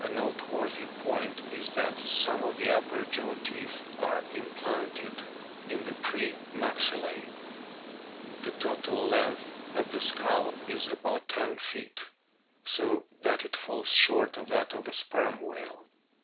593. FOSSIL TOOTHED WHALES 209 point is that some of the upper jaw teeth are im planted in the pre maxillse. The total length of the skull is about 10 feet, so that it falls short of that of the Sperm whale.